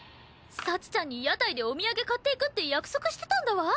幸ちゃんに屋台でお土産買っていくって約束してたんだわ！